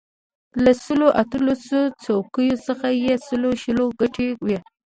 له سلو اتلسو څوکیو څخه یې سلو شلو ګټلې وې.